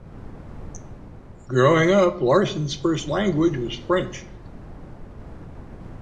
Growing up, Larson's first language was French.